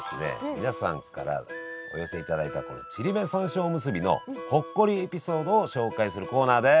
皆さんからお寄せいただいたこのちりめん山椒おむすびのほっこりエピソードを紹介するコーナーです！